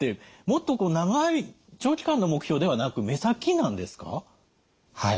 もっと長い長期間の目標ではなく目先なんですか？